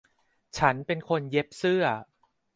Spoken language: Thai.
ฉันเป็นคนเย็บเสื้อ